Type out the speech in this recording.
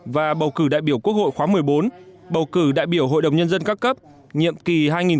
và bầu cử đại biểu quốc hội khóa một mươi bốn bầu cử đại biểu hội đồng nhân dân các cấp nhiệm kỳ hai nghìn hai mươi một hai nghìn hai mươi sáu